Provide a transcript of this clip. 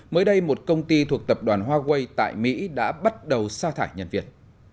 mới đây một công ty thuộc tập đoàn huawei tại mỹ đã bắt đầu xa thải nhân viên